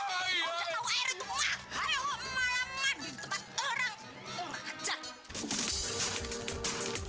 udah kau air itu wah ayo malah mandi di tempat orang